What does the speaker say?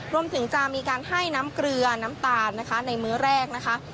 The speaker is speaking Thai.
รวมถึงจะมีการให้น้ำเกลือน้ำตาลนะคะในมื้อแรกนะคะ